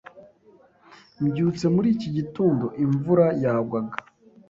Mbyutse muri iki gitondo, imvura yagwaga.